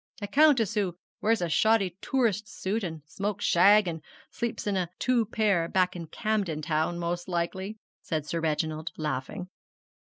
'A Countess who wears a shoddy tourist suit, and smokes shag, and sleeps in a two pair back in Camden Town, most likely,' said Sir Reginald, laughing.